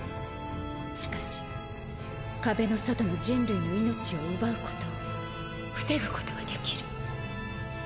しかし壁の外の人類の命を奪うことを防ぐことはできる。